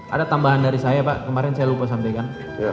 ada tambahan dari saya pak kemarin saya lupa sampaikan